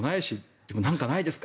でも、なんかないですか？